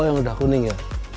oh yang sudah kuning ya